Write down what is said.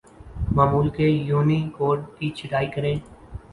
معمول کے یونیکوڈ کی چھٹائی کریں